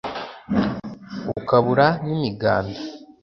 ukabura n’imiganda